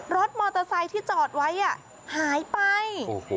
รถมอเตอร์ไซค์ที่จอดไว้หายไป